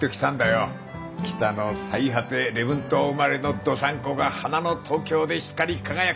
北の最果て礼文島生まれの道産子が花の東京で光り輝く。